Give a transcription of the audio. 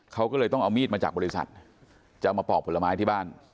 เขาก็เลยต้องเอามีดมาจากบริษัทจะเอามาปอกผลไม้ที่บ้าน